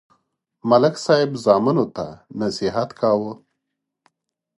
ملک صاحب زامنو ته نصیحت کاوه.